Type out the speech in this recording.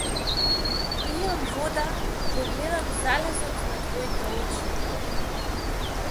Пијам вода, и го гледам залезот на своите очи.